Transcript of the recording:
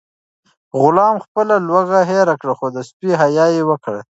غلام خپله لوږه هېره کړه خو د سپي حیا یې وکړه.